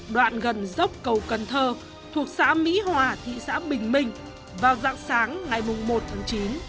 đoạn gần dốc cầu cần thơ thuộc xã mỹ hòa thị xã bình minh vào dạng sáng ngày một tháng chín